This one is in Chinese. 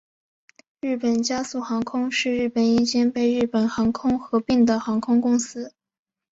日本佳速航空是日本一间被日本航空合并的航空公司。